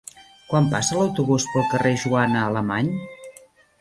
Quan passa l'autobús pel carrer Joana Alemany?